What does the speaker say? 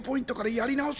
やり直す？